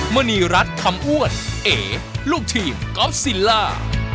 มณีรัฐคำอ้วนเอลูกทีมกอล์ฟซิลล่า